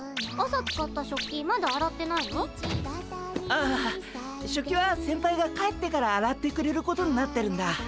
ああ食器は先輩が帰ってからあらってくれることになってるんだ。